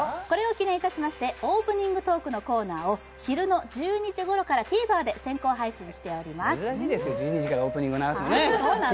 これを記念いたしまして、オープニングトークのコーナーを昼の１２時からＴＶｅｒで先行配信しています。